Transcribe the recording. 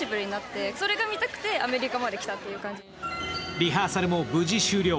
リハーサルも無事終了。